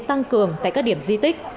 tăng cường tại các điểm di tích